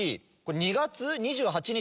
「２月２８日」